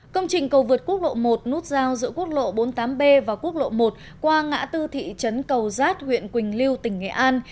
công trình cầu vượt quốc lộ một nút giao giữa quốc lộ bốn mươi tám b và quốc lộ một qua ngã tư thị trấn cầu giác huyện quỳnh lưu tỉnh nghệ an